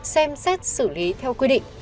xem xét xử lý theo quy định